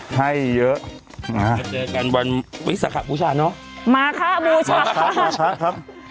ให้เยอะเจอกันวันสขะบูชาเนอะมาขะบูชามาขะครับ